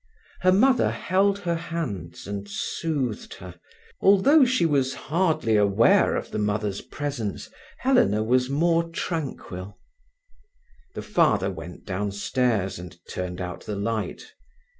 Her mother held her hands and soothed her. Although she was hardly aware of the mother's presence, Helena was more tranquil. The father went downstairs and turned out the light.